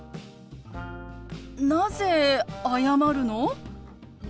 なぜ謝るの？